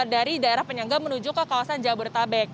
dari daerah penyangga menuju ke kawasan jabodetabek